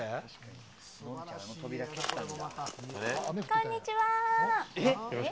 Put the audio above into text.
こんにちは。